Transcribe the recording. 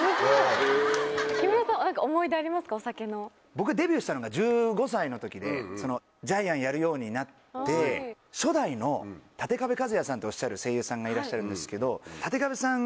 僕デビューしたのが１５歳の時でジャイアンやるようになって。っておっしゃる声優さんがいらっしゃるんですけどたてかべさん。